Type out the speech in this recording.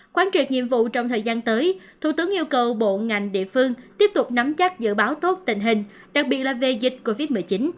quán triệt nhiệm vụ trong thời gian tới thủ tướng yêu cầu bộ ngành địa phương tiếp tục nắm chắc dự báo tốt tình hình đặc biệt là về dịch covid một mươi chín